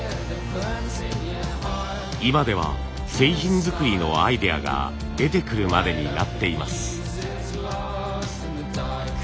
今では製品作りのアイデアが出てくるまでになっています。